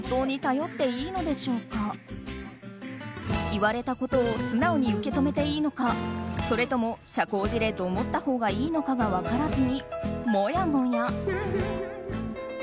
言われたことを素直に受け止めていいのかそれとも社交辞令と思ったほうがいいのかが分からずにもやもや。